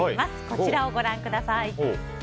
こちらをご覧ください。